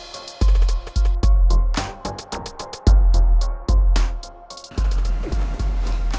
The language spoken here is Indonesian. mel kok lo tau kalo tangan gue yang sakit